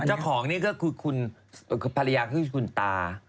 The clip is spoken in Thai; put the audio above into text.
เจ้าของนี่ก็คือคุณภรรยาคือคุณตา